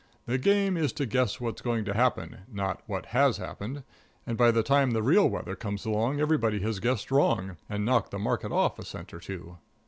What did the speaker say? The game is to guess what's going to happen, not what has happened, and by the time the real weather comes along everybody has guessed wrong and knocked the market off a cent or two."